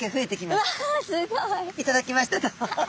いただきましたと。